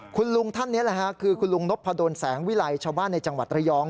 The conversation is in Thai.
คุณลุงท่านนี้แหละค่ะคือคุณลุงนพดลแสงวิลัยชาวบ้านในจังหวัดระยอง